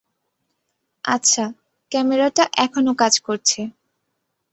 আচ্ছা, ক্যামেরাটা এখনও কাজ করছে।